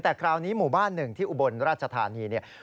แต่คราวนี้หมู่บ้านหนึ่งที่อุบลราชธานีเนี่ย